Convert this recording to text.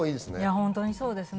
本当にそうですね。